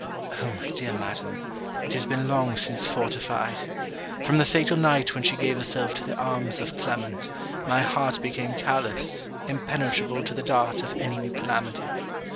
Oh, my dear madam, it has been long since fortified! From the fatal night when she gave herself to the arms of Clement, my heart became callous, impenetrable to the dart of any new calamity.